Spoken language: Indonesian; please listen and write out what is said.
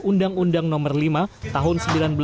undang undang nomor lima tahun seribu sembilan ratus sembilan puluh